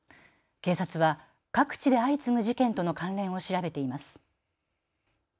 警察は各地で相次ぐ事件との関連を調べています。